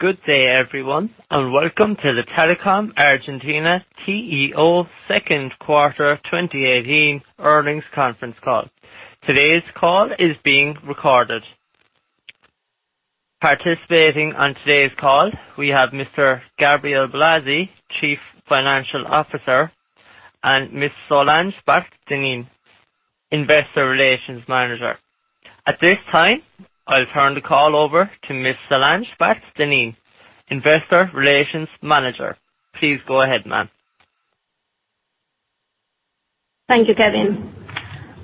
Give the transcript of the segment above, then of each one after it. Good day, everyone, and welcome to the Telecom Argentina TEO second quarter 2018 earnings conference call. Today's call is being recorded. Participating on today's call, we have Mr. Gabriel Blasi, Chief Financial Officer, and Ms. Solange Barthe Denin, Investor Relations Manager. At this time, I'll turn the call over to Ms. Solange Barthe Denin, Investor Relations Manager. Please go ahead, ma'am. Thank you, Kevin.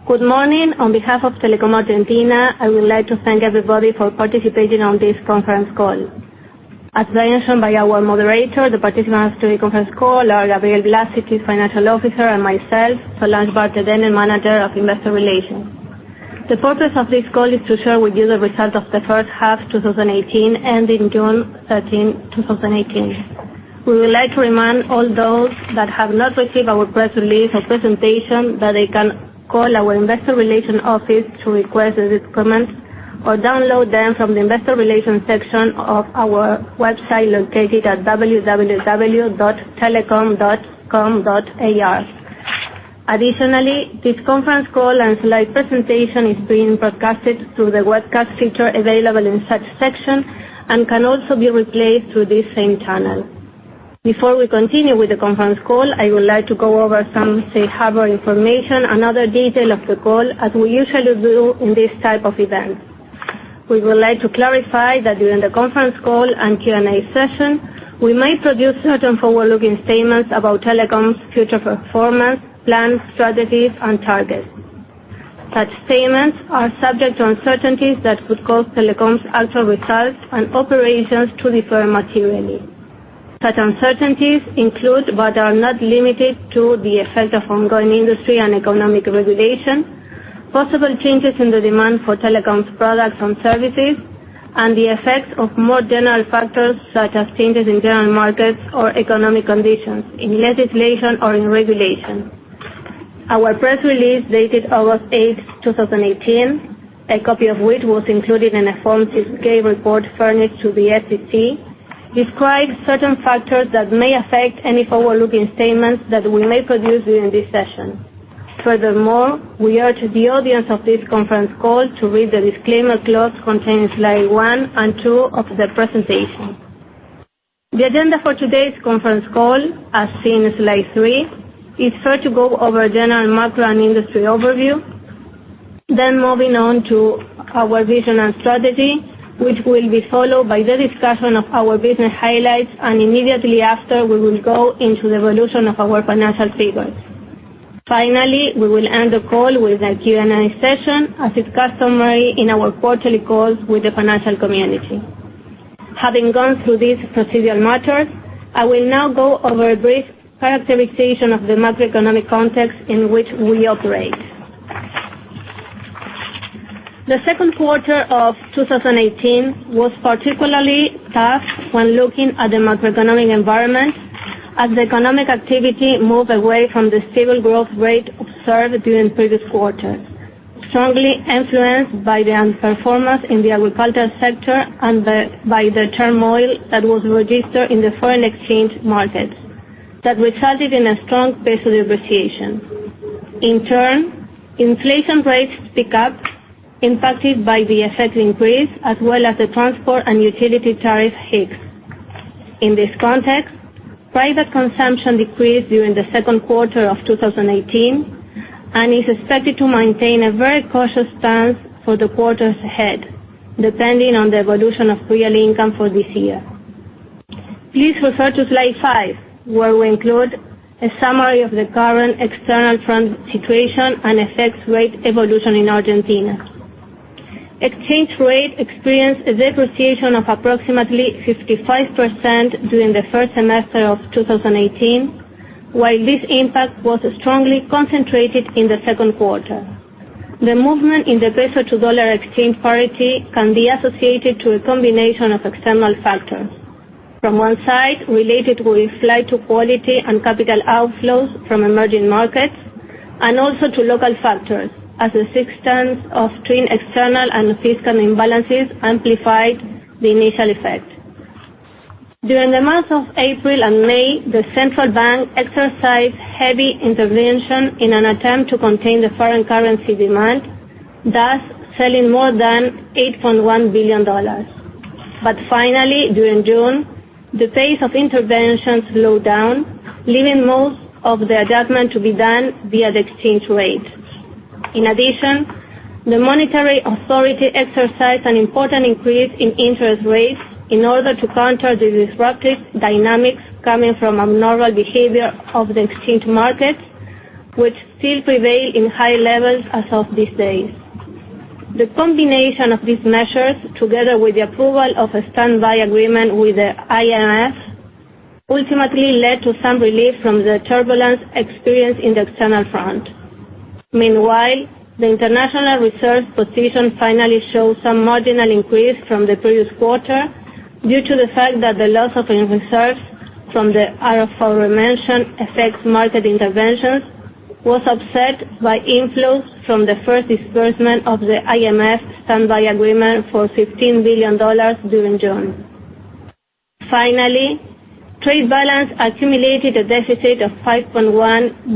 Good morning. On behalf of Telecom Argentina, I would like to thank everybody for participating on this conference call. As mentioned by our moderator, the participants to the conference call are Gabriel Blasi, Chief Financial Officer, and myself, Solange Barthe Denin, Manager of Investor Relations. The purpose of this call is to share with you the results of the first half 2018, ending June 30, 2018. We would like to remind all those that have not received our press release or presentation that they can call our Investor Relations office to request these documents, or download them from the Investor Relations section of our website located at www.telecom.com.ar. Additionally, this conference call and slide presentation is being broadcasted through the webcast feature available in such section and can also be replayed through this same channel. Before we continue with the conference call, I would like to go over some safe harbor information and other details of the call as we usually do in this type of event. We would like to clarify that during the conference call and Q&A session, we might produce certain forward-looking statements about Telecom's future performance, plans, strategies, and targets. Such statements are subject to uncertainties that could cause Telecom's actual results and operations to differ materially. Such uncertainties include, but are not limited to the effect of ongoing industry and economic regulation, possible changes in the demand for Telecom's products and services, and the effects of more general factors such as changes in general markets or economic conditions, in legislation or in regulation. Our press release dated August 8th, 2018, a copy of which was included in a Form 6-K report furnished to the SEC, describes certain factors that may affect any forward-looking statements that we may produce during this session. Furthermore, we urge the audience of this conference call to read the disclaimer clause contained in slide one and two of the presentation. The agenda for today's conference call, as seen in slide three, is first to go over a general macro and industry overview, moving on to our vision and strategy, which will be followed by the discussion of our business highlights. Immediately after, we will go into the evolution of our financial figures. Finally, we will end the call with a Q&A session as is customary in our quarterly calls with the financial community. Having gone through these procedural matters, I will now go over a brief characterization of the macroeconomic context in which we operate. The second quarter of 2018 was particularly tough when looking at the macroeconomic environment, as the economic activity moved away from the stable growth rate observed during previous quarters, strongly influenced by the underperformance in the agricultural sector and by the turmoil that was registered in the foreign exchange markets that resulted in a strong peso depreciation. In turn, inflation rates pick up, impacted by the effect increase as well as the transport and utility tariff hikes. In this context, private consumption decreased during the second quarter of 2018 and is expected to maintain a very cautious stance for the quarters ahead, depending on the evolution of real income for this year. Please refer to slide five, where we include a summary of the current external front situation and exchange rate evolution in Argentina. Exchange rate experienced a depreciation of approximately 55% during the first semester of 2018, while this impact was strongly concentrated in the second quarter. The movement in the peso to dollar exchange parity can be associated to a combination of external factors. From one side, related with flight to quality and capital outflows from emerging markets, and also to local factors as the systems of twin external and fiscal imbalances amplified the initial effect. During the months of April and May, the central bank exercised heavy intervention in an attempt to contain the foreign currency demand, thus selling more than $8.1 billion. Finally, during June, the pace of interventions slowed down, leaving most of the adjustment to be done via the exchange rate. In addition, the monetary authority exercised an important increase in interest rates in order to counter the disruptive dynamics coming from abnormal behavior of the exchange markets, which still prevail in high levels as of these days. The combination of these measures, together with the approval of a standby agreement with the IMF, ultimately led to some relief from the turbulence experienced in the external front. Meanwhile, the international reserve position finally showed some marginal increase from the previous quarter due to the fact that the loss of reserves from the aforementioned FX market interventions was offset by inflows from the first disbursement of the IMF standby agreement for $15 billion during June. Finally, trade balance accumulated a deficit of $5.1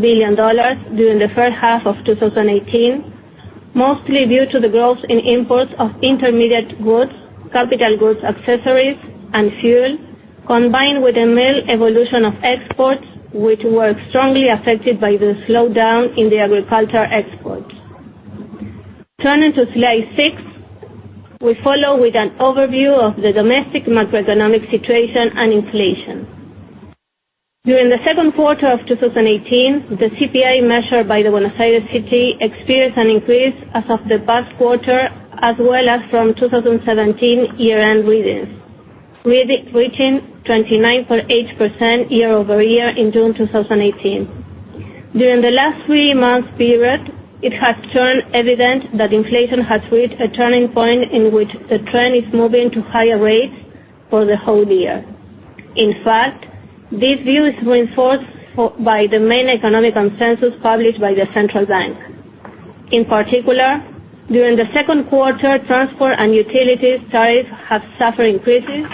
billion during the first half of 2018, mostly due to the growth in imports of intermediate goods, capital goods, accessories, and fuel, combined with a mild evolution of exports, which were strongly affected by the slowdown in the agriculture export. Turning to slide six, we follow with an overview of the domestic macroeconomic situation and inflation. During the second quarter of 2018, the CPI measured by the Buenos Aires City experienced an increase as of the past quarter, as well as from 2017 year-end readings, reaching 29.8% year-over-year in June 2018. During the last three months period, it has turned evident that inflation has reached a turning point in which the trend is moving to higher rates for the whole year. In fact, this view is reinforced by the main economic consensus published by the Central Bank. In particular, during the second quarter, transport and utility tariffs have suffered increases,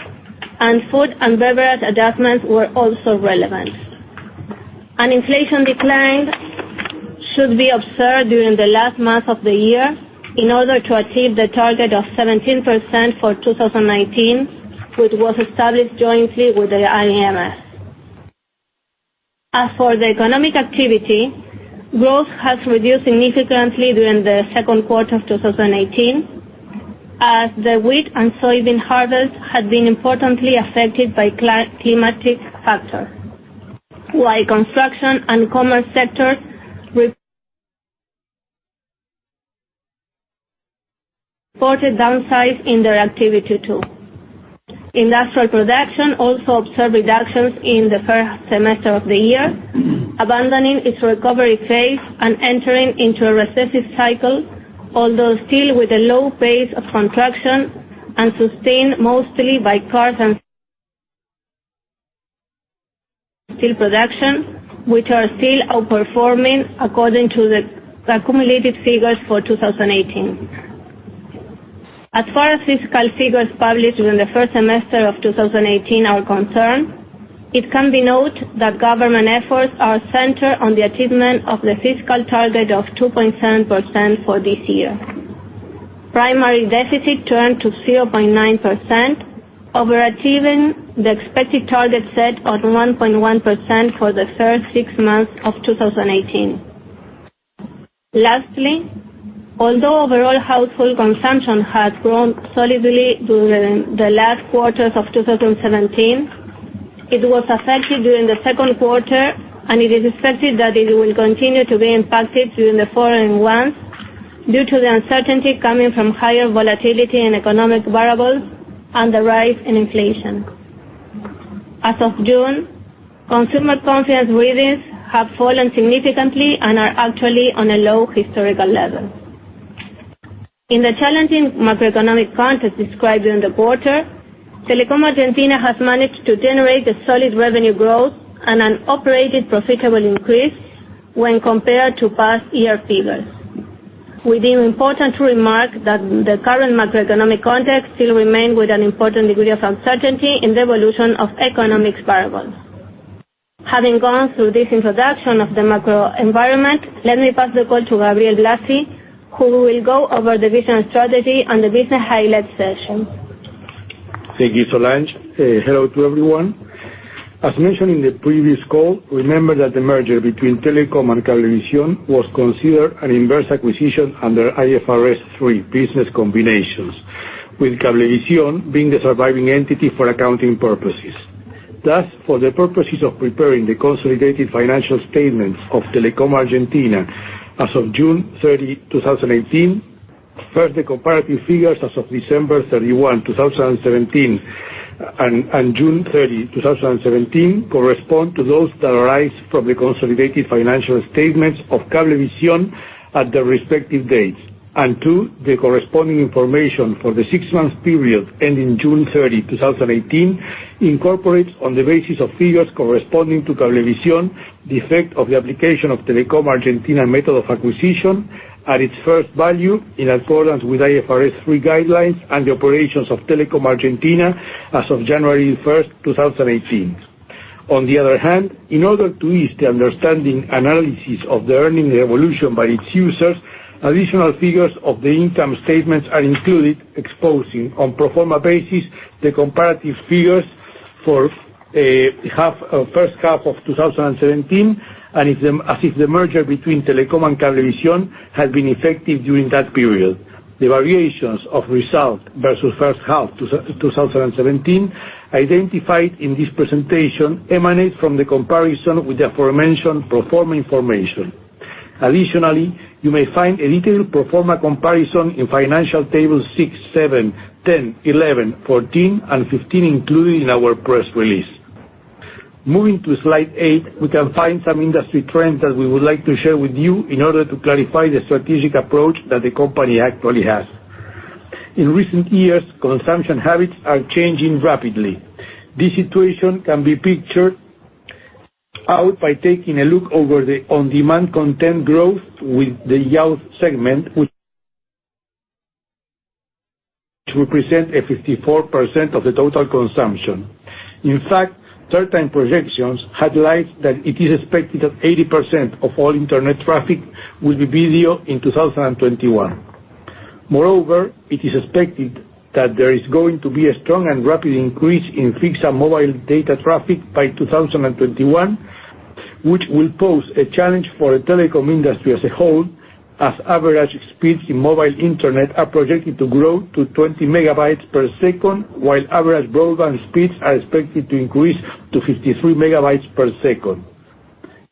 and food and beverage adjustments were also relevant. An inflation decline should be observed during the last month of the year in order to achieve the target of 17% for 2019, which was established jointly with the International Monetary Fund. As for the economic activity, growth has reduced significantly during the second quarter of 2018 as the wheat and soybean harvest had been importantly affected by climatic factors, while construction and commerce sectors reported downside in their activity too. Industrial production also observed reductions in the first semester of the year, abandoning its recovery phase and entering into a recessive cycle. Although still with a low pace of contraction and sustained mostly by cars and steel production, which are still outperforming according to the accumulated figures for 2018. As far as fiscal figures published during the first semester of 2018 are concerned, it can be noted that government efforts are centered on the achievement of the fiscal target of 2.7% for this year. Primary deficit turned to 0.9%, overachieving the expected target set of 1.1% for the first six months of 2018. Lastly, although overall household consumption has grown solidly during the last quarters of 2017, it was affected during the second quarter, and it is expected that it will continue to be impacted during the following months due to the uncertainty coming from higher volatility in economic variables and the rise in inflation. As of June, consumer confidence readings have fallen significantly and are actually on a low historical level. In the challenging macroeconomic context described during the quarter, Telecom Argentina has managed to generate a solid revenue growth and an operating profitable increase when compared to past year figures. We deem important to remark that the current macroeconomic context still remains with an important degree of uncertainty in the evolution of economic variables. Having gone through this introduction of the macro environment, let me pass the call to Gabriel Blasi, who will go over the vision strategy and the business highlights session. Thank you, Solange. Hello to everyone. As mentioned in the previous call, remember that the merger between Telecom and Cablevisión was considered an inverse acquisition under IFRS 3, Business Combinations, with Cablevisión being the surviving entity for accounting purposes. Thus, for the purposes of preparing the consolidated financial statements of Telecom Argentina as of June 30, 2018, first, the comparative figures as of December 31, 2017, and June 30, 2017, correspond to those that arise from the consolidated financial statements of Cablevisión at the respective dates. Two, the corresponding information for the six-month period ending June 30, 2018, incorporates on the basis of figures corresponding to Cablevisión, the effect of the application of Telecom Argentina method of acquisition at its fair value, in accordance with IFRS 3 guidelines and the operations of Telecom Argentina as of January 1st, 2018. On the other hand, in order to ease the understanding and analysis of the earnings evolution by its users, additional figures of the income statements are included exposing on pro forma basis the comparative figures for first half 2017, as if the merger between Telecom and Cablevisión had been effective during that period. The variations of result versus first half 2017 identified in this presentation emanate from the comparison with the aforementioned pro forma information. Additionally, you may find a detailed pro forma comparison in financial tables six, seven, 10, 11, 14, and 15 included in our press release. Moving to slide eight, we can find some industry trends that we would like to share with you in order to clarify the strategic approach that the company actually has. This situation can be pictured by taking a look over the on-demand content growth with the youth segment, which represent 54% of the total consumption. In fact, certain projections highlight that it is expected that 80% of all internet traffic will be video in 2021. Moreover, it is expected that there is going to be a strong and rapid increase in fixed and mobile data traffic by 2021, which will pose a challenge for the telecom industry as a whole, as average speeds in mobile internet are projected to grow to 20 Mbps, while average broadband speeds are expected to increase to 53 Mbps.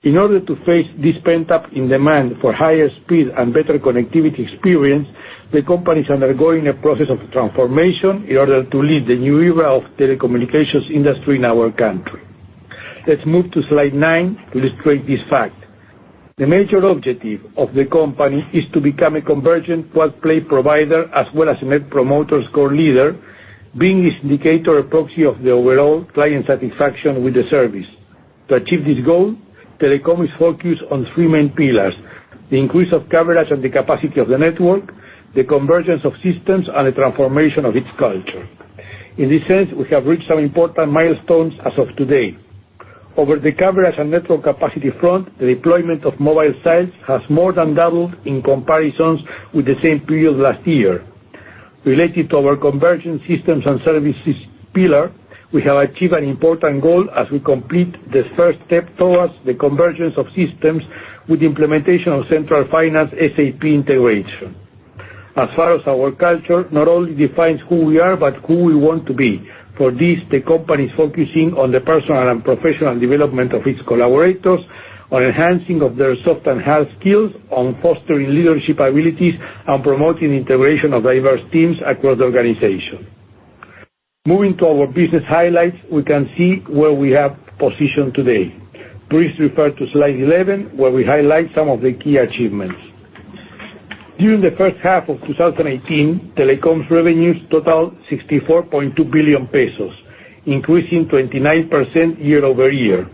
In order to face this pent-up demand for higher speed and better connectivity experience, the company is undergoing a process of transformation in order to lead the new era of telecommunications industry in our country. Let's move to slide nine to illustrate this fact. The major objective of the company is to become a convergent quad play provider, as well as a Net Promoter Score leader, being this indicator a proxy of the overall client satisfaction with the service. To achieve this goal, Telecom is focused on three main pillars: the increase of coverage and the capacity of the network, the convergence of systems, and the transformation of its culture. In this sense, we have reached some important milestones as of today. Over the coverage and network capacity front, the deployment of mobile sites has more than doubled in comparisons with the same period last year. Related to our convergence systems and services pillar, we have achieved an important goal as we complete the first step towards the convergence of systems with implementation of central finance SAP integration. As far as our culture, not only defines who we are but who we want to be. For this, the company is focusing on the personal and professional development of its collaborators, on enhancing of their soft and hard skills, on fostering leadership abilities, and promoting integration of diverse teams across the organization. Moving to our business highlights, we can see where we have positioned today. Please refer to slide 11, where we highlight some of the key achievements. During the first half 2018, Telecom's revenues totaled ARS 64.2 billion, increasing 29% year-over-year.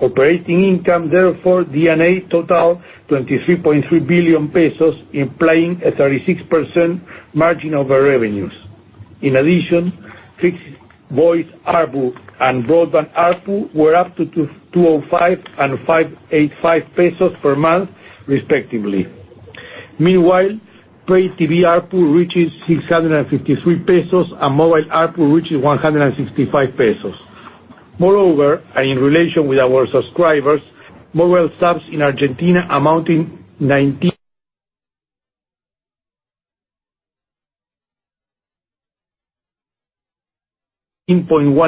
Operating income before D&A totaled 23.3 billion pesos, implying a 36% margin over revenues. In addition, fixed voice ARPU and broadband ARPU were up to 205 and 585 pesos per month, respectively. Meanwhile, Pay TV ARPU reaches 653 pesos, and mobile ARPU reaches 165 pesos. Moreover, in relation with our subscribers, mobile subs in Argentina amounting 19.1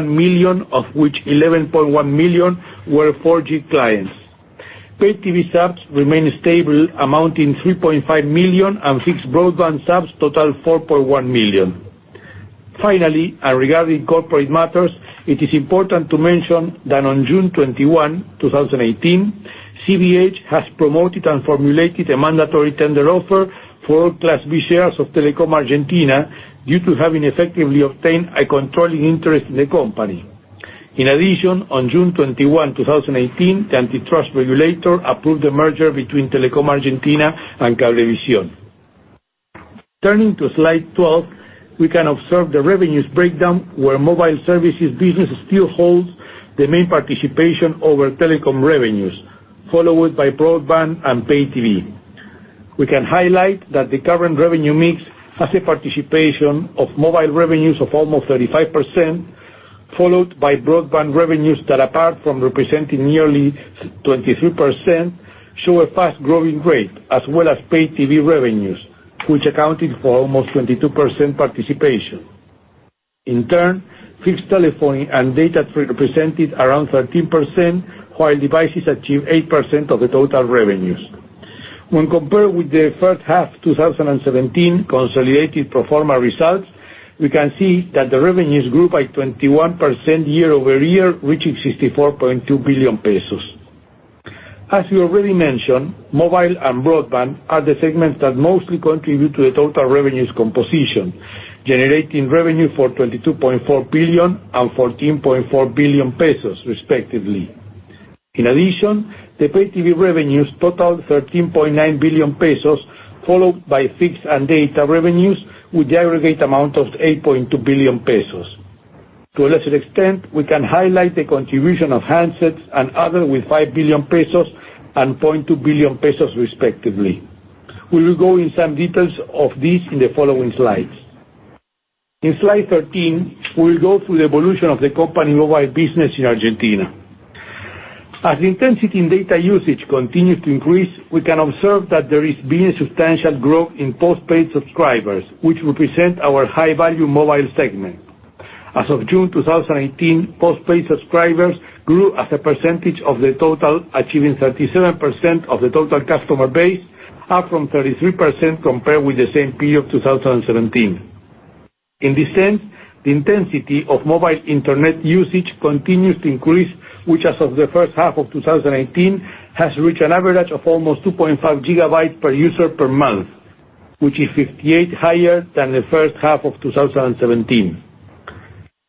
million, of which 11.1 million were 4G clients. Pay TV subs remain stable, amounting 3.5 million, and fixed broadband subs total 4.1 million. Finally, regarding corporate matters, it is important to mention that on June 21, 2018, CVH has promoted and formulated a mandatory tender offer for Class B shares of Telecom Argentina due to having effectively obtained a controlling interest in the company. In addition, on June 21, 2018, the antitrust regulator approved the merger between Telecom Argentina and Cablevisión. Turning to slide 12, we can observe the revenues breakdown, where mobile services business still holds the main participation over Telecom revenues, followed by broadband and Pay TV. We can highlight that the current revenue mix has a participation of mobile revenues of almost 35%, followed by broadband revenues that, apart from representing nearly 23%, show a fast-growing rate, as well as Pay TV revenues, which accounted for almost 22% participation. In turn, fixed telephony and data represented around 13%, while devices achieved 8% of the total revenues. When compared with the first half 2017 consolidated pro forma results, we can see that the revenues grew by 21% year-over-year, reaching 64.2 billion pesos. As we already mentioned, mobile and broadband are the segments that mostly contribute to the total revenues composition, generating revenue for 22.4 billion and 14.4 billion pesos, respectively. In addition, the Pay TV revenues totaled 13.9 billion pesos, followed by fixed and data revenues, with the aggregate amount of 8.2 billion pesos. To a lesser extent, we can highlight the contribution of handsets and other with 5 billion pesos and 0.2 billion pesos respectively. We will go in some details of this in the following slides. In slide 13, we will go through the evolution of the company mobile business in Argentina. As the intensity in data usage continues to increase, we can observe that there is been a substantial growth in postpaid subscribers, which represent our high-value mobile segment. As of June 2018, postpaid subscribers grew as a percentage of the total, achieving 37% of the total customer base, up from 33% compared with the same period of 2017. In this sense, the intensity of mobile internet usage continues to increase, which as of the first half of 2018, has reached an average of almost 2.5 gigabytes per user per month, which is 58% higher than the first half of 2017.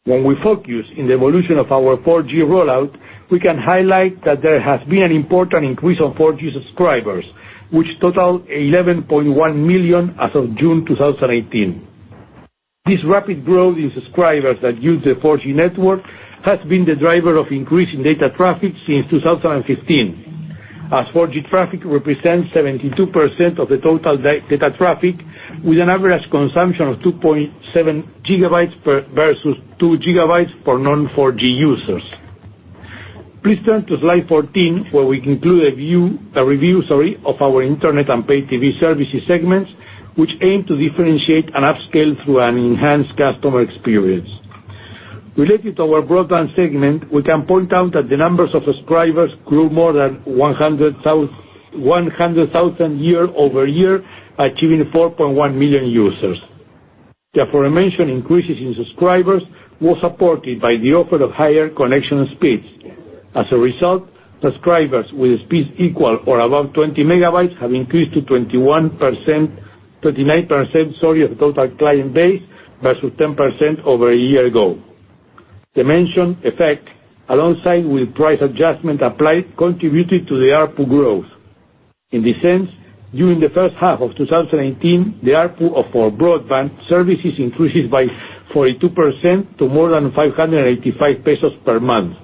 When we focus on the evolution of our 4G rollout, we can highlight that there has been an important increase of 4G subscribers, which total 11.1 million as of June 2018. This rapid growth in subscribers that use the 4G network has been the driver of increase in data traffic since 2015, as 4G traffic represents 72% of the total data traffic, with an average consumption of 2.7 gigabytes versus 2 gigabytes for non-4G users. Please turn to Slide 14, where we conclude a review, sorry, of our internet and Pay TV services segments, which aim to differentiate and upscale through an enhanced customer experience. Related to our broadband segment, we can point out that the numbers of subscribers grew more than 100,000 year-over-year, achieving 4.1 million users. The aforementioned increases in subscribers were supported by the offer of higher connection speeds. As a result, subscribers with speeds equal or above 20 Mbps have increased to 21%, 29%, sorry, of total client base, versus 10% over a year ago. The mentioned effect, alongside with price adjustment applied, contributed to the ARPU growth. In that sense, during the first half of 2018, the ARPU of our broadband services increased by 42% to more than 585 pesos per month.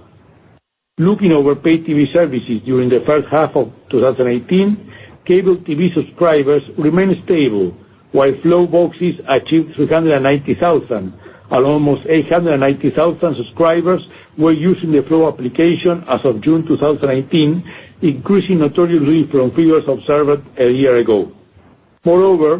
Looking over paid TV services during the first half of 2018, cable TV subscribers remained stable while Flow boxes achieved 390,000 and almost 890,000 subscribers were using the Flow application as of June 2018, increasing notably from figures observed a year ago. Moreover,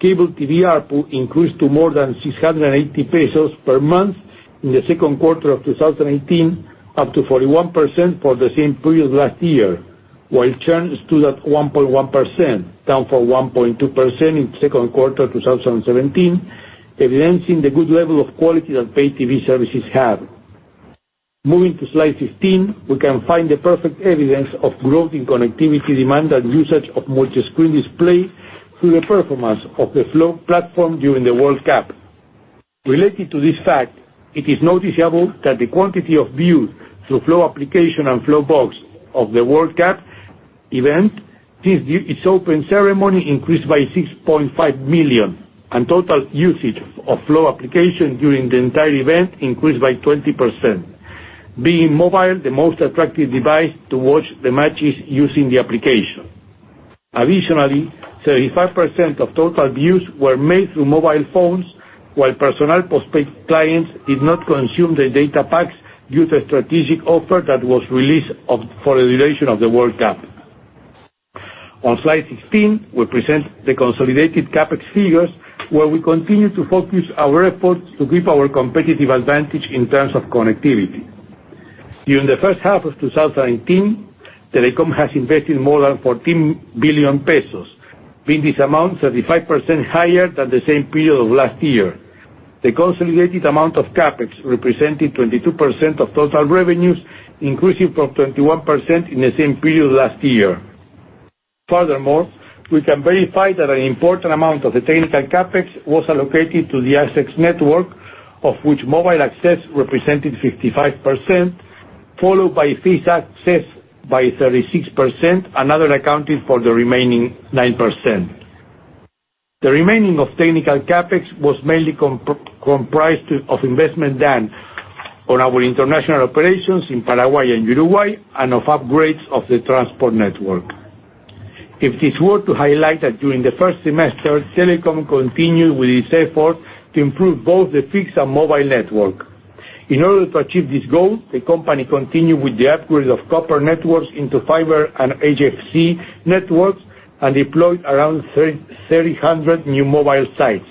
cable TV ARPU increased to more than 680 pesos per month in the second quarter of 2018, up to 41% for the same period last year, while churn stood at 1.1%, down from 1.2% in second quarter 2017, evidencing the good level of quality that paid TV services have. Moving to Slide 15, we can find the perfect evidence of growth in connectivity demand and usage of multi-screen display through the performance of the Flow platform during the World Cup. Related to this fact, it is noticeable that the quantity of views through Flow application and Flow box of the World Cup event since its open ceremony increased by 6.5 million, and total usage of Flow application during the entire event increased by 20%, being mobile the most attractive device to watch the matches using the application. 35% of total views were made through mobile phones, while personal postpaid clients did not consume the data packs due to strategic offer that was released for the duration of the World Cup. On Slide 16, we present the consolidated CapEx figures, where we continue to focus our efforts to give our competitive advantage in terms of connectivity. During the first half of 2018, Telecom has invested more than 14 billion pesos, being this amount 35% higher than the same period of last year. The consolidated amount of CapEx represented 22% of total revenues, increasing from 21% in the same period last year. Furthermore, we can verify that an important amount of the technical CapEx was allocated to the access network, of which mobile access represented 55%, followed by fixed access by 36%, and other accounted for the remaining 9%. The remaining of technical CapEx was mainly comprised of investment done on our international operations in Paraguay and Uruguay, and of upgrades of the transport network. If it were to highlight that during the first semester, Telecom continued with its effort to improve both the fixed and mobile network. In order to achieve this goal, the company continued with the upgrades of copper networks into fiber and HFC networks and deployed around 3,000 new mobile sites.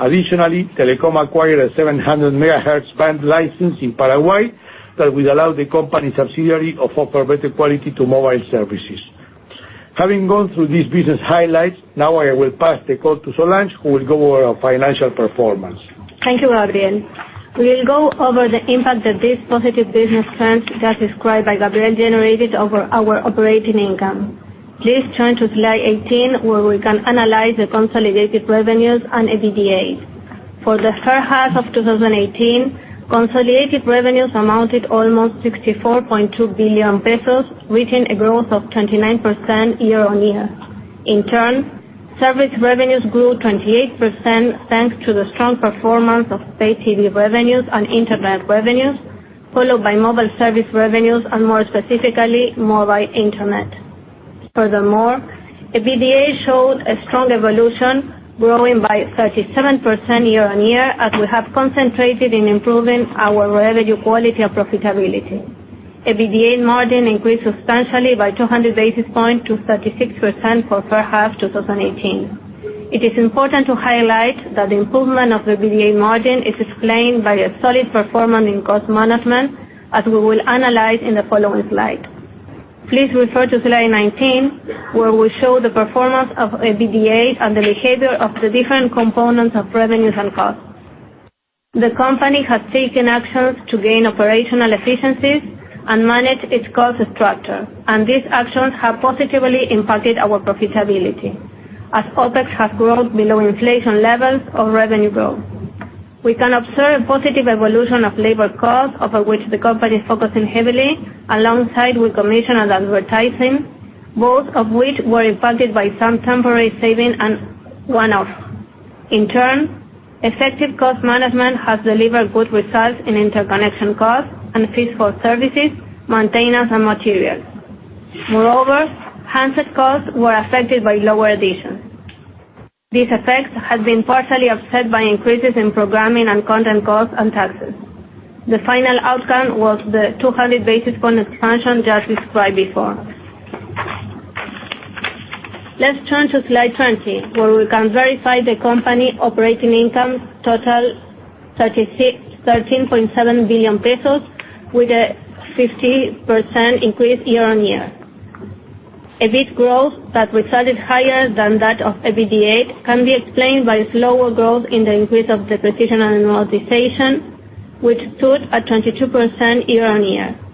Additionally, Telecom acquired a 700 MHz band license in Paraguay that will allow the company's subsidiary to offer better quality to mobile services. Having gone through these business highlights, now I will pass the call to Solange, who will go over our financial performance. Thank you, Gabriel. We'll go over the impact that this positive business trends as described by Gabriel generated over our operating income. Please turn to Slide 18, where we can analyze the consolidated revenues and EBITDA. For the first half of 2018, consolidated revenues amounted almost 64.2 billion pesos, reaching a growth of 29% year-on-year. Service revenues grew 28% thanks to the strong performance of pay TV revenues and internet revenues, followed by mobile service revenues, and more specifically, mobile internet. EBITDA showed a strong evolution, growing by 37% year-on-year, as we have concentrated in improving our revenue quality and profitability. EBITDA margin increased substantially by 200 basis points to 36% for first half 2018. It is important to highlight that the improvement of EBITDA margin is explained by a solid performance in cost management, as we will analyze in the following slide. Please refer to slide 19, where we show the performance of EBITDA and the behavior of the different components of revenues and costs. The company has taken actions to gain operational efficiencies and manage its cost structure. These actions have positively impacted our profitability, as OpEx has grown below inflation levels of revenue growth. We can observe positive evolution of labor costs, over which the company is focusing heavily, alongside with commission and advertising, both of which were impacted by some temporary saving and one-off. Effective cost management has delivered good results in interconnection costs and fees for services, maintenance, and materials. Handset costs were affected by lower additions. These effects have been partially offset by increases in programming and content costs and taxes. The final outcome was the 200 basis point expansion just described before. Let's turn to slide 20, where we can verify the company operating income total 13.7 billion pesos, with a 50% increase year-on-year. EBIT growth that resulted higher than that of EBITDA can be explained by slower growth in the increase of depreciation and amortization, which stood at 22% year-on-year.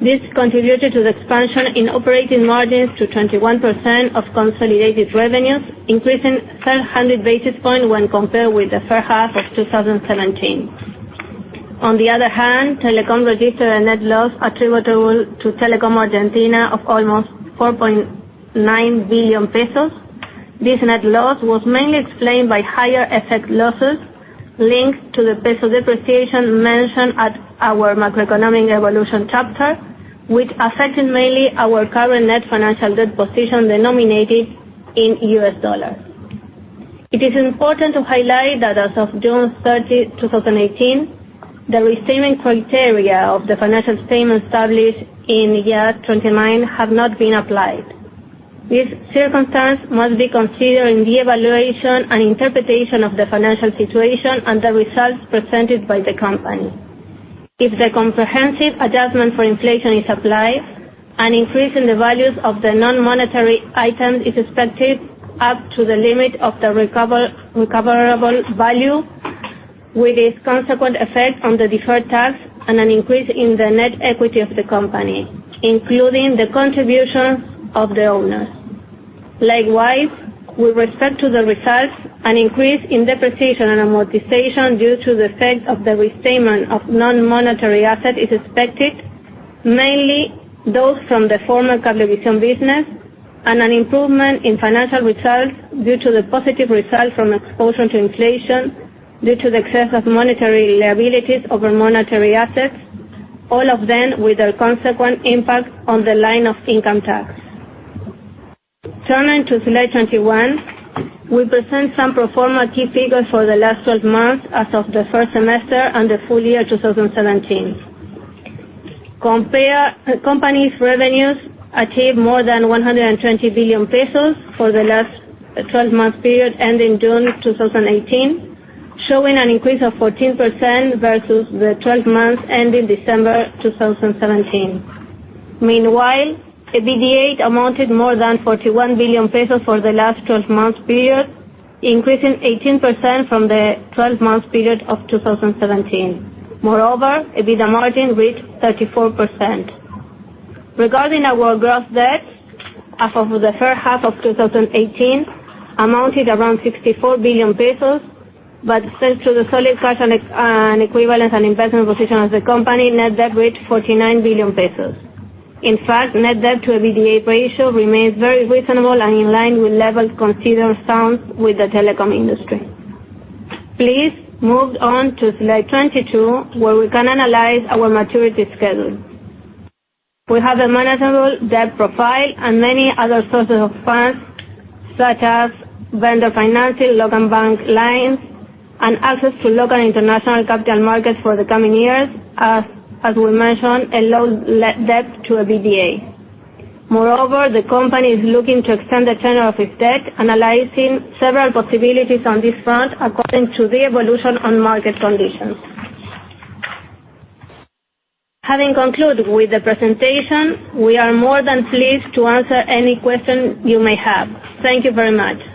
This contributed to the expansion in operating margins to 21% of consolidated revenues, increasing 700 basis points when compared with the first half of 2017. Telecom registered a net loss attributable to Telecom Argentina of almost 4.9 billion pesos. This net loss was mainly explained by higher effect losses linked to the peso depreciation mentioned at our macroeconomic evolution chapter, which affected mainly our current net financial debt position denominated in US dollars. It is important to highlight that as of June 30, 2018, the restatement criteria of the financial statements established in IAS 29 have not been applied. This circumstance must be considered in the evaluation and interpretation of the financial situation and the results presented by the company. If the comprehensive adjustment for inflation is applied, an increase in the values of the non-monetary item is expected up to the limit of the recoverable value, with its consequent effect on the deferred tax and an increase in the net equity of the company, including the contribution of the owners. Likewise, with respect to the results, an increase in depreciation and amortization due to the effect of the restatement of non-monetary asset is expected, mainly those from the former Cablevisión business, and an improvement in financial results due to the positive result from exposure to inflation due to the excess of monetary liabilities over monetary assets, all of them with a consequent impact on the line of income tax. Turning to slide 21, we present some pro forma key figures for the last 12 months as of the first semester and the full year 2017. Company's revenues achieved more than 120 billion pesos for the last 12-month period ending June 2018, showing an increase of 14% versus the 12 months ending December 2017. Meanwhile, EBITDA amounted more than 41 billion pesos for the last 12-month period, increasing 18% from the 12-month period of 2017. Moreover, EBITDA margin reached 34%. Regarding our gross debt, as of the first half of 2018, amounted around 64 billion pesos, but thanks to the solid cash and equivalent and investment position of the company, net debt reached 49 billion pesos. In fact, net debt to EBITDA ratio remains very reasonable and in line with levels considered sound with the telecom industry. Please move on to slide 22, where we can analyze our maturity schedule. We have a manageable debt profile and many other sources of funds, such as vendor financing, local bank lines, and access to local international capital markets for the coming years, as we mentioned, a low debt to EBITDA. The company is looking to extend the tenure of its debt, analyzing several possibilities on this front according to the evolution on market conditions. Having concluded with the presentation, we are more than pleased to answer any question you may have. Thank you very much.